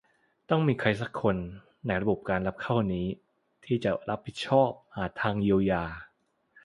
ต้องมีใครสักคนในระบบการรับเข้านี้ที่จะรับผิดชอบหาทางเยียวยา